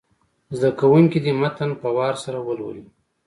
زده کوونکي دې متن په وار سره ولولي.